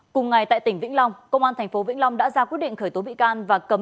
cùng ngày tại tỉnh vĩnh long công an thành phố vĩnh long đã ra quyết định khởi tố bị can